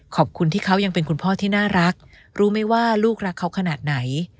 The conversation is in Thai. ขอบคุณที่เขายังเป็นคุณพ่อที่น่ารักรู้ไหมว่าลูกรักเขาขนาดไหน